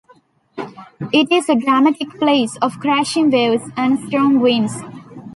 It is a dramatic place of crashing waves and strong winds.